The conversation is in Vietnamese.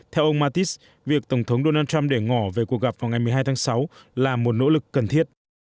theo ông mattis việc tổng thống donald trump để ngỏ về cuộc gặp vào ngày một mươi hai tháng sáu là một nỗ lực cần thiết